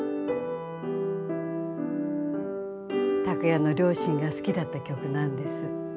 託也の両親が好きだった曲なんです。